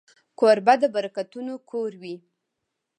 کوربه د برکتونو کور وي.